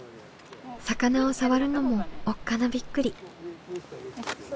魚を触るのもおっかなびっくり。